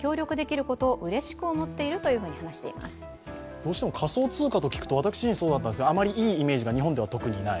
どうしても仮想通貨と聞くと、私自身そうでしたがあまりいいイメージが日本では特にない。